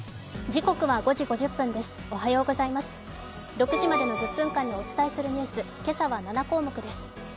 ６時までの１０分間にお伝えするニュース、今朝は７項目です。